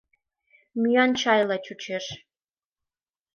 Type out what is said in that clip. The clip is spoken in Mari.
Мӱян чайла чучеш.